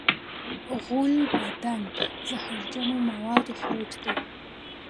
غول د بدن د زهرجنو موادو خروج دی.